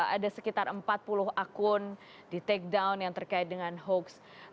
ada sekitar empat puluh akun di take down yang terkait dengan hoax